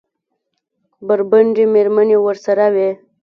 بربنډې مېرمنې ورسره وې.